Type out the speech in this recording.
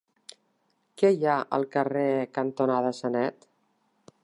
Què hi ha al carrer E cantonada Sanet?